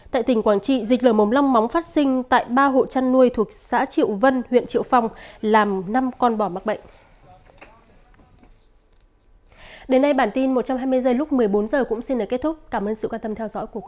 tại tỉnh quảng trị dịch lờ mồm long móng phát sinh tại ba hộ chăn nuôi thuộc xã triệu vân huyện triệu phong làm năm con bò mắc bệnh